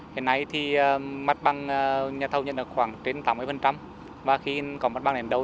hiện nay thì mắt băng nhà thầu nhận được khoảng trên tám mươi và khi còn mắt băng nền đấu